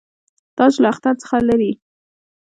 تاج له اختر څخه لري.